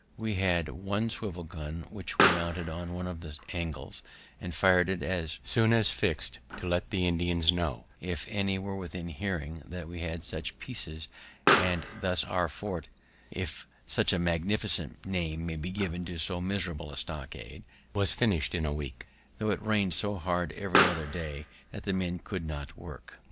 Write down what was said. We had one swivel gun, which we mounted on one of the angles, and fir'd it as soon as fix'd, to let the Indians know, if any were within hearing, that we had such pieces; and thus our fort, if such a magnificent name may be given to so miserable a stockade, was finish'd in a week, though it rain'd so hard every other day that the men could not work.